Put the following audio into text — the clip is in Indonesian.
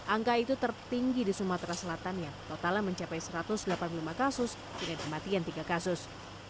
angka itu tertinggi di sumatera selatan yang totalnya mencapai satu ratus delapan puluh lima kasus dengan kematian tiga kasus